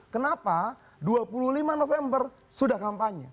kenapa dua puluh lima november sudah kampanye